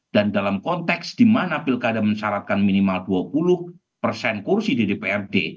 dan dalam konteks di mana pilkada mensyaratkan minimal dua puluh kursi di dprd